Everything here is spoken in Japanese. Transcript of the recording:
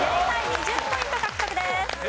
２０ポイント獲得です。